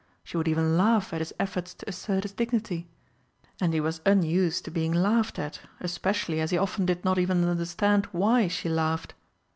She would even laugh at his efforts to assert his dignity and he was unused to being laughed at, especially as he often did not even understand why she laughed.